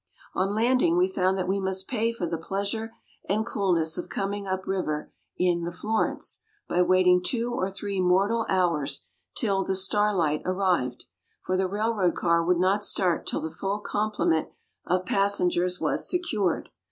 On landing, we found that we must pay for the pleasure and coolness of coming up river in "The Florence" by waiting two or three mortal hours till "The Starlight" arrived; for the railroad car would not start till the full complement of passengers was secured.